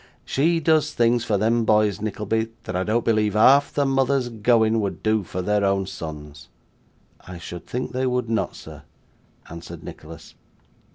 She does things for them boys, Nickleby, that I don't believe half the mothers going, would do for their own sons.' 'I should think they would not, sir,' answered Nicholas.